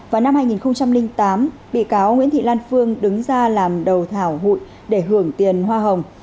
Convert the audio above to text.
vào năm hai nghìn tám bị cáo nguyễn thị lan phương đứng ra làm đầu thảo hụi để hưởng tiền hoa hồng